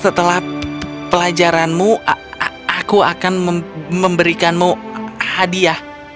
setelah pelajaranmu aku akan memberikanmu hadiah